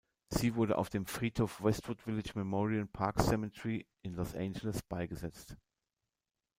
Sie wurde auf dem Friedhof Westwood Village Memorial Park Cemetery in Los Angeles beigesetzt.